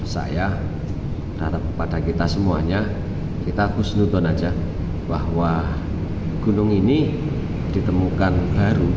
saya harap kepada kita semuanya kita harus nonton saja bahwa gunung ini ditemukan baru